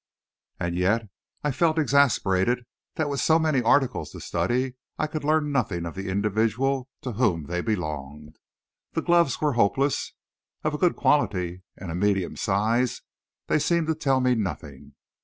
And yet I felt exasperated that with so many articles to study, I could learn nothing of the individual to whom they belonged. The gloves were hopeless. Of a good quality and a medium size, they seemed to tell me nothing.